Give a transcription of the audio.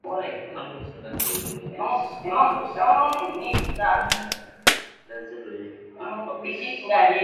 Unfortunately, the Skarkos site remains largely unpublished.